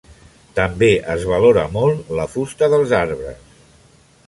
També es valora molt la fusta dels arbres.